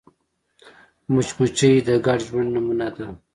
مچمچۍ د ګډ ژوند نمونه ده